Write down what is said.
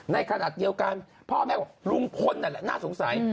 ในขณะเดียวกันพ่อแม่บอกลุงพลนั่นแหละน่าสงสัย